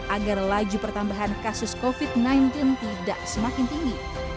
agar laju pertambahan kasus covid sembilan belas tidak semakin tinggi